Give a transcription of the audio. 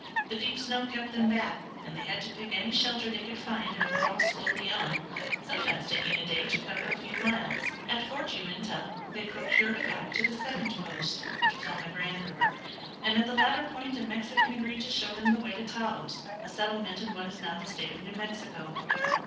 The deep snow kept them back, and they had to pick any shelter they could find, and crawl slowly on, sometimes taking a day to cover a few miles. At Fort Uintah they procured a guide to the second post, which was on the Grand River, and at the latter point a Mexican agreed to show them the way to Taos, a settlement in what is now the state of New Mexico.